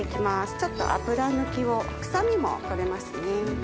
ちょっと脂抜きを臭みも取れますね。